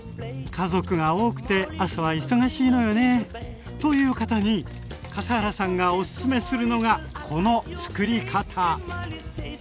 「家族が多くて朝は忙しいのよね」という方に笠原さんがおすすめするのがこのつくり方！